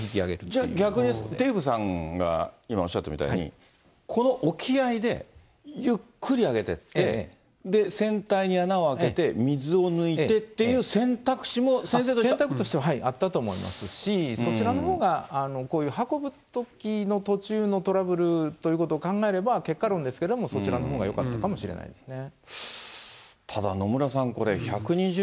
じゃあ逆に、デーブさんが今おっしゃったみたいに、この沖合で、ゆっくりあげてって、船体に穴を開けて水を抜いてっていう選択肢も、選択肢としてはあったと思いますし、そちらのほうが、こういう運ぶときの途中のトラブルということを考えれば、結果論ですけれども、そちらのほうがよかったかもしれないですね。